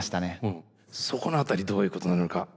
そこの辺りどういうことなのか？